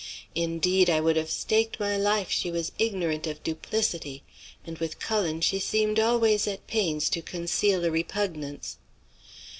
Indeed, I would have staked my life she was ignorant of duplicity; and with Cullen she seemed always at some pains to conceal a repugnance.